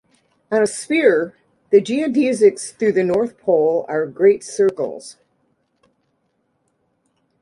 On a sphere, the geodesics through the North pole are great circles.